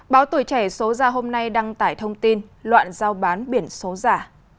báo tuổi trẻ số ra hôm nay đăng tải thông tin loạn giao bán biển số giả